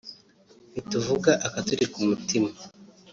ntituvuga akaturi ku mutima